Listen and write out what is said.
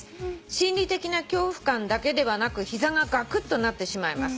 「心理的な恐怖感だけではなく膝がガクッとなってしまいます」